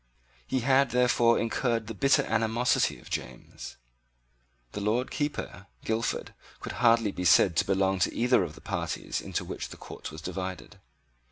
He had therefore incurred the bitter animosity of James. The Lord Keeper Guildford could hardly be said to belong to either of the parties into which the court was divided.